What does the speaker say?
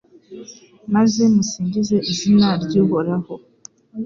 maze musingize izina ry’Uhoraho